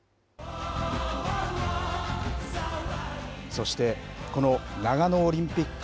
そしてこの長野オリンピック